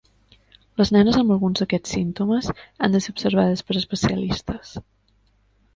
Les nenes amb alguns d'aquests símptomes han de ser observades per especialistes.